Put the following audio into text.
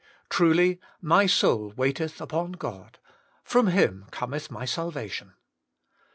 * Truly my soul waiteth upon God ; from Him cometh my salvation.